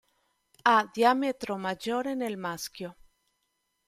Ha diametro maggiore nel maschio.